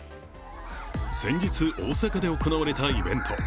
先日大阪で行われたイベント。